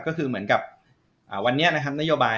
ก็คือเหมือนกับวันนี้นะครับ